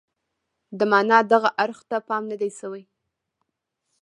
د معنا دغه اړخ ته پام نه دی شوی.